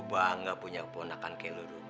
gua bangga punya keponakan kayak lu dulu